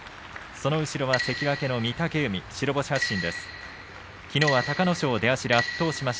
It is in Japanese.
その後ろは関脇の御嶽海白星発進です。